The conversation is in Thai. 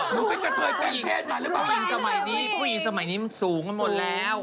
หนูก็จะเทย์แปลงผู้หญิงสมัยนี้มันสูงครั้งหมดแล้ว